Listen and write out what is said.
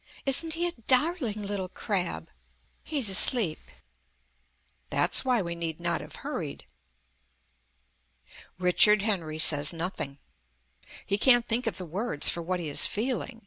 "Isn't he a darling little crab? He's asleep." (That's why we need not have hurried.) Richard Henry says nothing. He can't think of the words for what he is feeling.